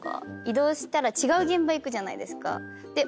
移動したら違う現場行くじゃないですか。